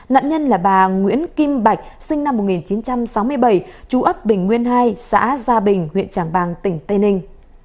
nạn nhân là bà nguyễn kim bạch sinh năm một nghìn chín trăm sáu mươi bảy chú ấp bình nguyên hai xã gia bình huyện tràng bàng tỉnh tây ninh